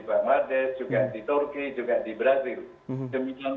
juga di amerika juga di amerika namun juga di inggris di tempat lain